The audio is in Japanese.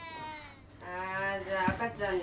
ああじゃあ赤ちゃんだ。